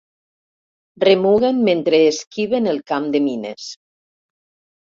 Remuguen mentre esquiven el camp de mines.